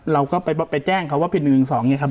เราก็ไปแจ้งเขาว่าผิด๑๑๒เนี่ยครับ